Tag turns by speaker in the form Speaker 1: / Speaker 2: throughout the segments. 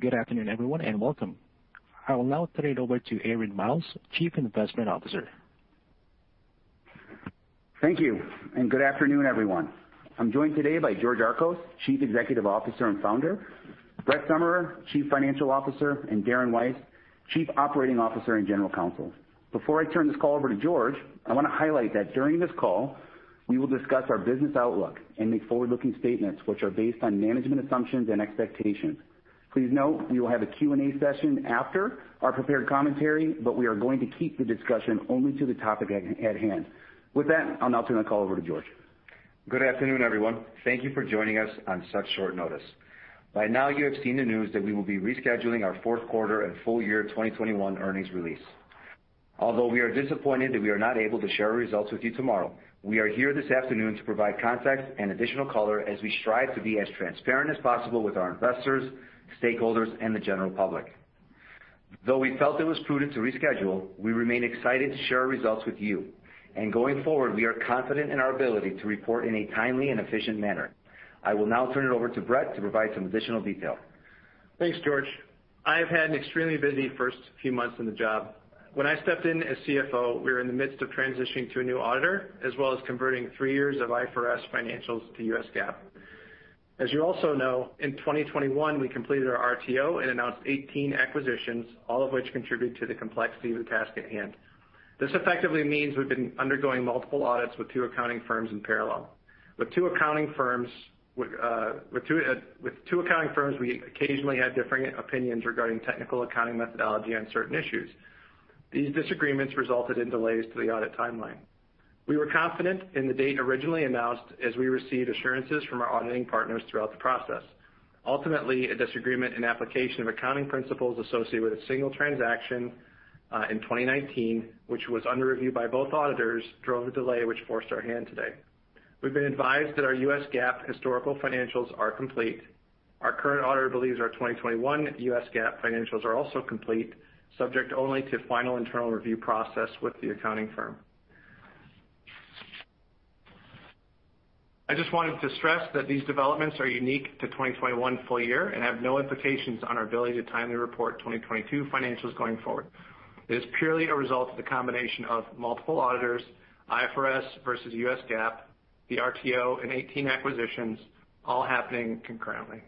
Speaker 1: Good afternoon, everyone, and welcome. I will now turn it over to Aaron Miles, Chief Investment Officer.
Speaker 2: Thank you. Good afternoon, everyone. I'm joined today by George Archos, Chief Executive Officer and Founder; Brett Summerer, Chief Financial Officer; and Darren Weiss, Chief Operating Officer and General Counsel. Before I turn this call over to George, I wanna highlight that during this call, we will discuss our business outlook and make forward-looking statements, which are based on management assumptions and expectations. Please note we will have a Q&A session after our prepared commentary, but we are going to keep the discussion only to the topic at hand. With that, I'll now turn the call over to George.
Speaker 3: Good afternoon, everyone. Thank you for joining us on such short notice. By now, you have seen the news that we will be rescheduling our fourth quarter and full year 2021 earnings release. Although we are disappointed that we are not able to share our results with you tomorrow, we are here this afternoon to provide context and additional color as we strive to be as transparent as possible with our investors, stakeholders, and the general public. Though we felt it was prudent to reschedule, we remain excited to share our results with you. Going forward, we are confident in our ability to report in a timely and efficient manner. I will now turn it over to Brett to provide some additional detail.
Speaker 4: Thanks, George. I have had an extremely busy first few months on the job. When I stepped in as CFO, we were in the midst of transitioning to a new auditor, as well as converting three years of IFRS financials to U.S. GAAP. As you also know, in 2021, we completed our RTO and announced 18 acquisitions, all of which contribute to the complexity of the task at hand. This effectively means we've been undergoing multiple audits with two accounting firms in parallel. With two accounting firms, we occasionally had differing opinions regarding technical accounting methodology on certain issues. These disagreements resulted in delays to the audit timeline. We were confident in the date originally announced as we received assurances from our auditing partners throughout the process. Ultimately, a disagreement in application of accounting principles associated with a single transaction in 2019, which was under review by both auditors, drove a delay which forced our hand today. We've been advised that our U.S. GAAP historical financials are complete. Our current auditor believes our 2021 U.S. GAAP financials are also complete, subject only to final internal review process with the accounting firm. I just wanted to stress that these developments are unique to 2021 full year and have no implications on our ability to timely report 2022 financials going forward. It is purely a result of the combination of multiple auditors, IFRS versus U.S. GAAP, the RTO, and 18 acquisitions all happening concurrently.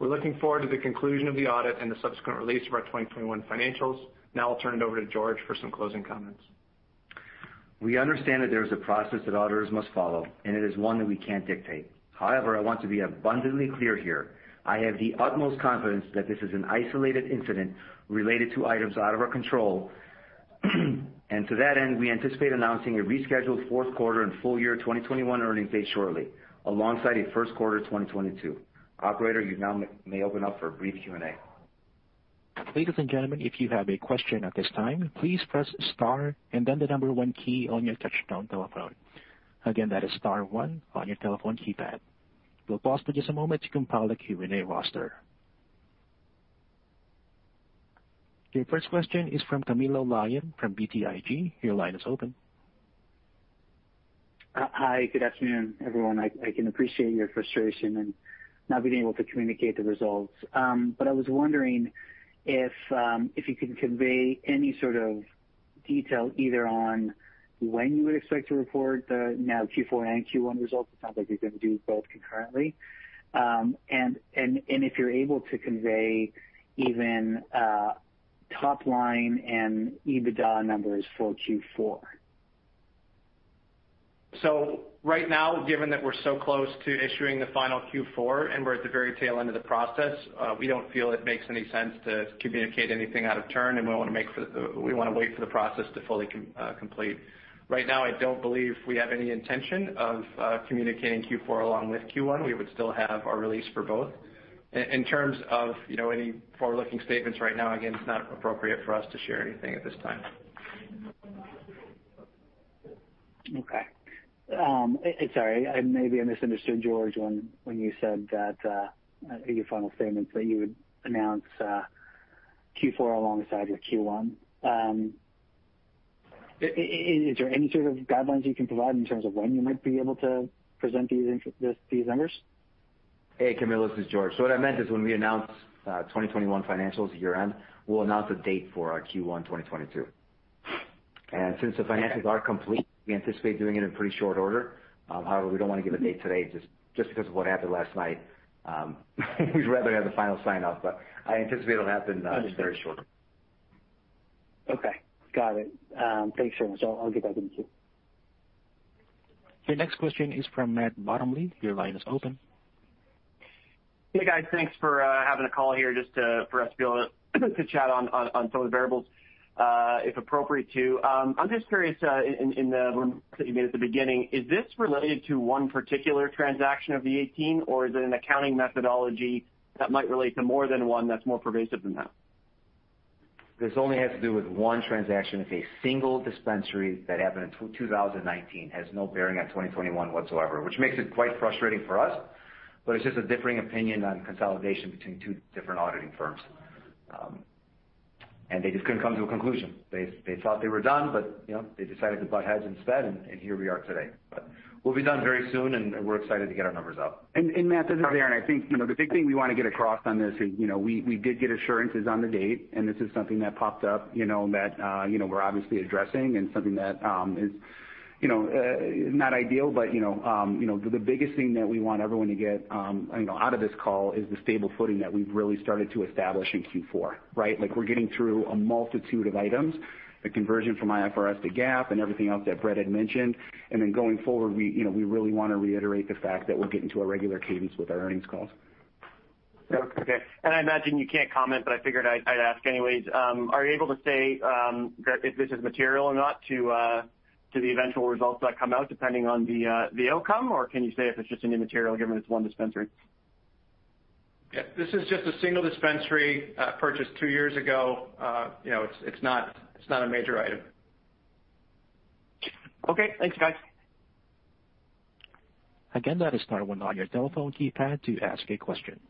Speaker 4: We're looking forward to the conclusion of the audit and the subsequent release of our 2021 financials. Now, I'll turn it over to George for some closing comments.
Speaker 3: We understand that there is a process that auditors must follow, and it is one that we can't dictate. However, I want to be abundantly clear here. I have the utmost confidence that this is an isolated incident related to items out of our control. To that end, we anticipate announcing a rescheduled fourth quarter and full year 2021 earnings date shortly, alongside a first quarter 2022. Operator, you now may open up for a brief Q&A.
Speaker 1: Ladies and gentlemen, if you have a question at this time, please press star and then the number one key on your touchtone telephone. Again, that is star one on your telephone keypad. We'll pause for just a moment to compile the Q&A roster. Your first question is from Camilo Lyon from BTIG. Your line is open.
Speaker 5: Hi. Good afternoon, everyone. I can appreciate your frustration in not being able to communicate the results. I was wondering if you can convey any sort of detail either on when you would expect to report the now Q4 and Q1 results. It's not like you're gonna do both concurrently. If you're able to convey even top line and EBITDA numbers for Q4.
Speaker 4: Right now, given that we're so close to issuing the final Q4 and we're at the very tail end of the process, we don't feel it makes any sense to communicate anything out of turn, and we wanna wait for the process to fully complete. Right now, I don't believe we have any intention of communicating Q4 along with Q1. We would still have our release for both. In terms of, you know, any forward-looking statements right now, again, it's not appropriate for us to share anything at this time.
Speaker 5: Okay. Sorry. Maybe I misunderstood, George, when you said that in your final statements that you would announce Q4 alongside your Q1. Is there any sort of guidelines you can provide in terms of when you might be able to present these numbers?
Speaker 3: Camilo. This is George. What I meant is when we announce 2021 financials year-end, we'll announce a date for our Q1 2022. Since the financials are complete, we anticipate doing it in pretty short order. However, we don't wanna give a date today just because of what happened last night. We'd rather have the final sign-off, but I anticipate it'll happen in very short order.
Speaker 5: Understood. Okay. Got it. Thanks very much. I'll get back in queue.
Speaker 1: Your next question is from Matt Bottomley. Your line is open.
Speaker 6: Hi, guys. Thanks for having the call here just for us to be able to chat on some of the variables if appropriate to. I'm just curious, in the remarks that you made at the beginning, is this related to one particular transaction of the 18, or is it an accounting methodology that might relate to more than one that's more pervasive than that?
Speaker 3: This only has to do with one transaction. It's a single dispensary that happened in 2019, has no bearing on 2021 whatsoever, which makes it quite frustrating for us. It's just a differing opinion on consolidation between two different auditing firms. They just couldn't come to a conclusion. They thought they were done, but you know, they decided to butt heads instead, and here we are today. We'll be done very soon, and we're excited to get our numbers out.
Speaker 2: Matt, this is Aaron. I think, you know, the big thing we wanna get across on this is, you know, we did get assurances on the date, and this is something that popped up, you know, we're obviously addressing and something that is not ideal, but, you know, the biggest thing that we want everyone to get, you know, out of this call is the stable footing that we've really started to establish in Q4, right? Like, we're getting through a multitude of items, the conversion from IFRS to GAAP and everything else that Brett had mentioned. Going forward, we really wanna reiterate the fact that we're getting to a regular cadence with our earnings calls.
Speaker 6: Okay. I imagine you can't comment, but I figured I'd ask anyways. Are you able to say if this is material or not to the eventual results that come out, depending on the outcome? Or can you say if it's just immaterial given it's one dispensary?
Speaker 4: This is just a single dispensary purchased two years ago. You know, it's not a major item.
Speaker 6: Okay. Thanks, guys.
Speaker 1: Again, that is star one on your telephone keypad to ask a question.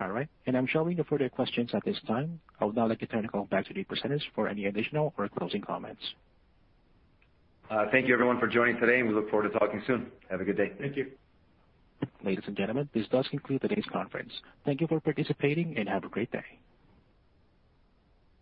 Speaker 1: All right. I'm showing no further questions at this time. I would now like to turn the call back to the presenters for any additional or closing comments.
Speaker 3: Thank you everyone for joining today, and we look forward to talking soon. Have a good day.
Speaker 4: Thank you.
Speaker 1: Ladies and gentlemen, this does conclude today's conference. Thank you for participating, and have a great day.